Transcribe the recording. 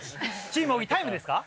チーム小木タイムですか？